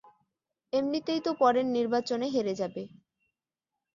এমনিতেই তো পরের নির্বাচনে হেরে যাবে।